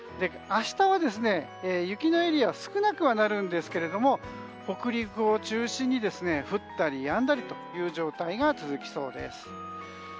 明日は雪のエリアは少なくはなるんですが北陸を中心に降ったりやんだりという状態が続きそうです。